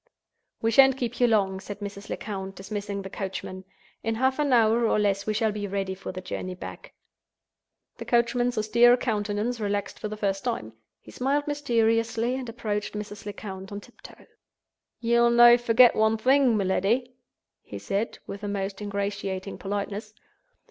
"We shan't keep you long," said Mrs. Lecount, dismissing the coachman. "In half an hour, or less, we shall be ready for the journey back." The coachman's austere countenance relaxed for the first time. He smiled mysteriously, and approached Mrs. Lecount on tiptoe. "Ye'll no forget one thing, my leddy," he said, with the most ingratiating politeness.